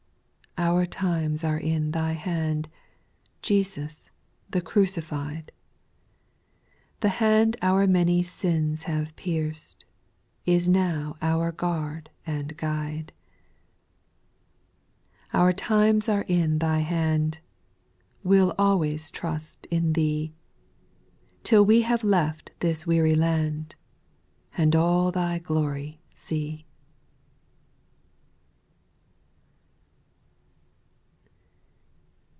4. Our times are in Thy hand, Jesus the crucified ; The hand our many sins haye pierc'd, Is now our guard and guide. 5. Our times are in Thy hand ; We'll always trust in Thee, Till we have left this weary land, And all Thy glory see.